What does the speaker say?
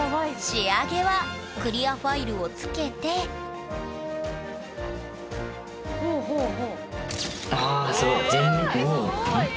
仕上げはクリアファイルをつけてあすごい。